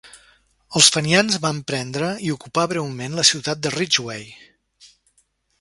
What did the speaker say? Els fenians van prendre i ocupar breument la ciutat de Ridgeway.